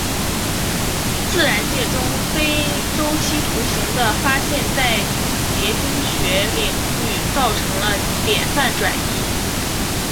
自然界中非周期图形的发现在结晶学领域造成了典范转移。